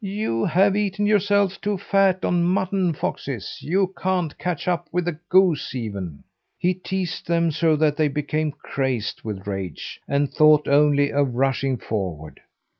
"You have eaten yourselves too fat on mutton, foxes. You can't catch up with a goose even." He teased them so that they became crazed with rage and thought only of rushing forward.